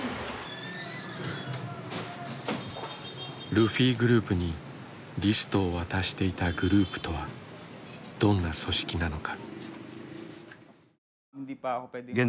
ルフィグループにリストを渡していたグループとはどんな組織なのか。